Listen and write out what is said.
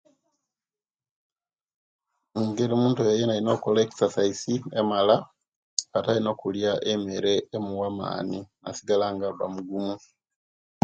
Mungeri omuntu oyo yena alina okola ekisasais emala ate alina okulia emere emuwa amaani nasigala nga aba mugumu